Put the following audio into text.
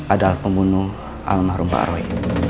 adalah pembunuh alam mahrum pak roy